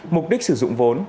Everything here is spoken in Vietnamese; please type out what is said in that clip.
mục đích sử dụng vốn